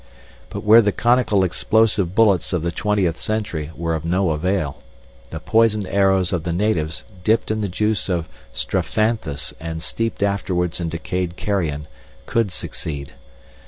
But where the conical explosive bullets of the twentieth century were of no avail, the poisoned arrows of the natives, dipped in the juice of strophanthus and steeped afterwards in decayed carrion, could succeed.